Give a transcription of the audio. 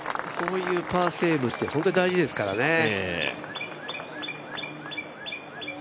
こういうパーセーブって本当に大事ですからね。